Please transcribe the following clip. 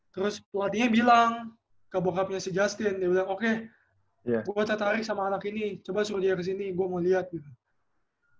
terus pelatihnya bilang ke bokapnya si justin dia bilang oke gue tertarik sama anak ini coba suruh dia kesini gue mau lihat gitu